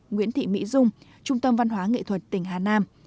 nguyễn thị mỹ dung trung tâm văn hóa nghệ thuật tỉnh hà nam